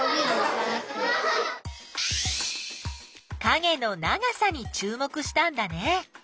かげの長さにちゅう目したんだね。